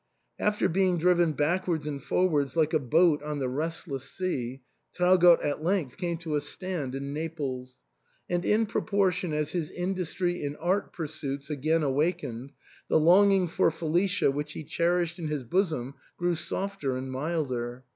After being driven backwards and forwards like a boat on the restless sea, Traugott at length came to a stand in Naples ; and in proportion as his industry in art pursuits again awakened, the longing for Felicia which he cherished in his bosom grew softer and milder.